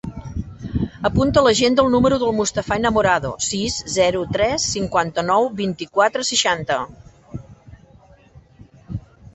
Apunta a l'agenda el número del Mustafa Enamorado: sis, zero, tres, cinquanta-nou, vint-i-quatre, seixanta.